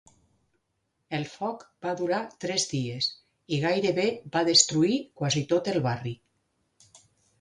El foc va durar tres dies i gairebé va destruir quasi tot el barri.